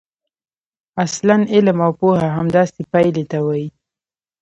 اصلاً علم او پوهه همداسې پایلې ته وايي.